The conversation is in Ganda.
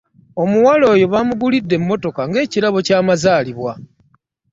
Omuwala oyo baamugulidde emmotoka ng'ekirabo ky'amazaalibwa.